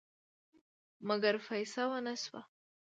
مګر فیصه ونه شوه.